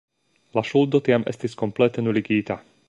La ŝuldo tiam estis komplete nuligita.